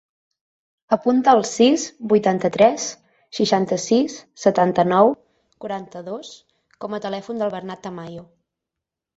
Apunta el sis, vuitanta-tres, seixanta-sis, setanta-nou, quaranta-dos com a telèfon del Bernat Tamayo.